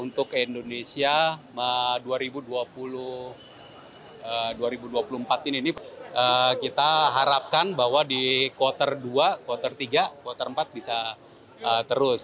untuk indonesia dua ribu dua puluh empat ini kita harapkan bahwa di kuartal dua kuartal tiga kuartal empat bisa terus